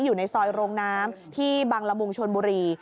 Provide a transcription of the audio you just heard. อยู่ในซอยโรงน้ำที่บังละมุงชนบุรี